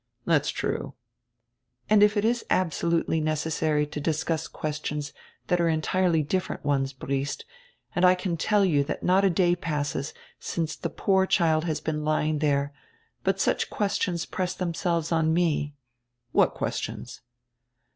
"That's true." "And if it is absolutely necessary to discuss questions there are entirely different ones, Briest, and I can tell you that not a day passes, since tire poor child has been lying here, but such questions press themselves on me." "What questions?"